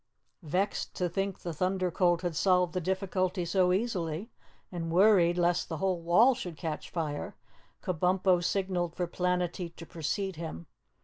Vexed to think the Thunder Colt had solved the difficulty so easily, and worried lest the whole wall should catch fire, Kabumpo signaled for Planetty to precede him.